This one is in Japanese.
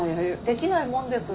できないもんです。